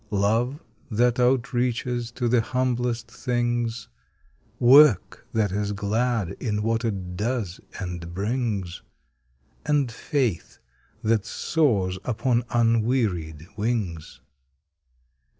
Love, that outreaches to the humblest things; Work that is glad, in what it does and brings; And faith that soars upon unwearied wings.